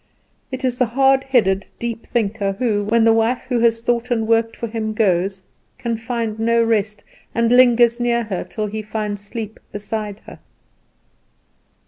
It is the hard headed, deep thinker who, when the wife who has thought and worked with him goes, can find no rest, and lingers near her till he finds sleep beside her.